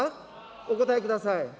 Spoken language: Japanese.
お答えください。